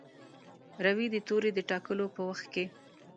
روي د توري د ټاکلو په وخت کې.